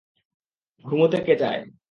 ঘুমোতে কে চায়?